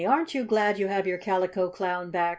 aren't you glad you have your Calico Clown back?"